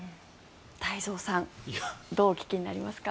太蔵さんどうお聞きになりますか？